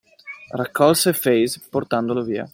Raccolse Phase portandolo via.